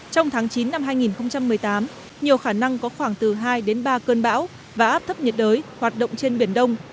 trong tháng chín năm hai nghìn một mươi tám nhiều khả năng có khoảng từ hai đến ba cơn bão và áp thấp nhiệt đới hoạt động trên biển đông